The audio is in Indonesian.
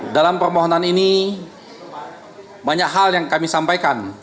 dalam permohonan ini banyak hal yang kami sampaikan